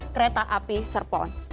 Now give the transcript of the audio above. kereta api serpol